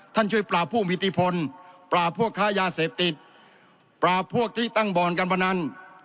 ท่านช่วยปลาผู้มิติพลปลาผู้ขายยาเสพติดปลาพวกที่ตั้งบ่นการพนัน